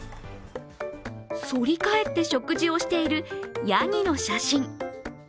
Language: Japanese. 反り返って食事をしているヤギの写真。